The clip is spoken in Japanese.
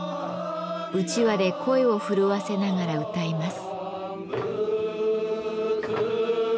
うちわで声を震わせながら歌います。